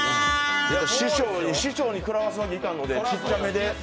師匠に食らわすわけにいかんのでちっちゃめで。